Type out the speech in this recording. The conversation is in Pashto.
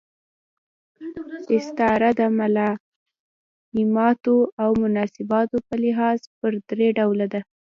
استعاره د ملایماتو او مناسباتو په لحاظ پر درې ډوله ده.